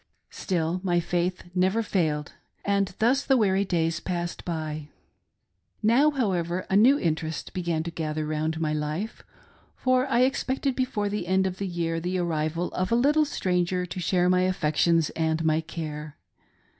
Still my faith never failed. And thus the weary days passed by. Now, however, a new interest began to gather round my life, for I expected before the end of the year the arrival of a little stranger to share my affections and my care.